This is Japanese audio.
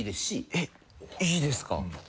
えっいいですか？